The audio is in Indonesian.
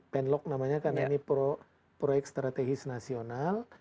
penlock namanya karena ini proyek strategis nasional